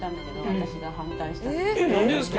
えっなんでですか？